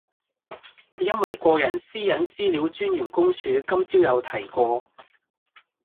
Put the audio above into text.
因為個人私隱資料專員公署今朝有提過